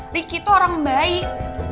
riki tuh orang baik